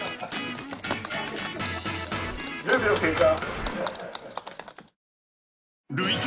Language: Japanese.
１０秒経過。